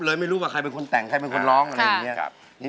ไม่รู้ว่าใครเป็นคนแต่งใครเป็นคนร้องอะไรอย่างนี้